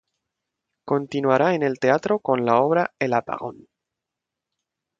Continuará en el teatro con la obra "El apagón".